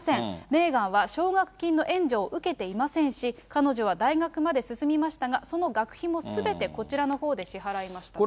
メーガンは奨学金の援助を受けていませんし、彼女は大学まで進みましたが、その学費もすべてこちらのほうで支払いました。